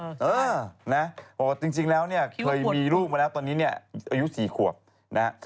เออนะบอกว่าจริงแล้วเนี่ยเคยมีลูกมาแล้วตอนนี้เนี่ยอายุ๔ขวบนะฮะ